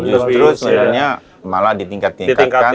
justru sebenarnya malah ditingkat tingkatkan segala macamnya